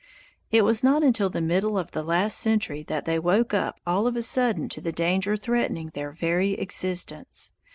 It was not until the middle of the last century that they woke up all of a sudden to the danger threatening their very existence.